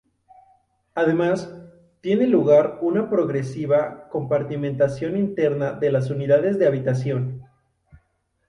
Además, tiene lugar una progresiva compartimentación interna de las unidades de habitación.